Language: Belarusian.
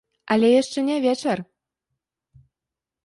Але яшчэ не вечар!